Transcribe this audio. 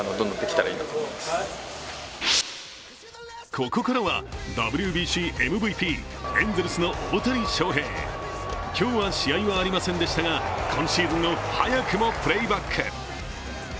ここからはＷＢＣ、ＭＶＰエンゼルスの大谷翔平。今日は試合はありませんでしたが、今シーズンを早くもプレーバック。